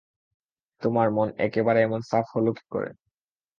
তোমার মন একেবারে এমন সাফ হল কী করে!